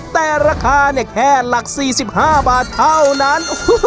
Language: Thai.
แต่ราคาแค่หลัก๔๕บาทเท่านั้น